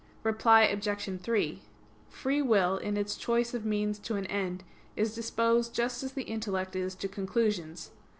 Reply Obj. 3: Free will in its choice of means to an end is disposed just as the intellect is to conclusions.